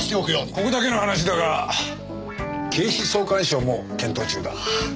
ここだけの話だが警視総監賞も検討中だ。